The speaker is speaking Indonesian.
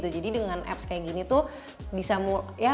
jadi dengan aplikasi seperti ini